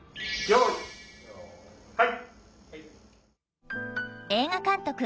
はい！